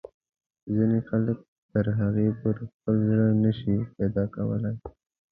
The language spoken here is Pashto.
ځینې خلک تر هغو پورې خپل زړه نه شي پیدا کولای.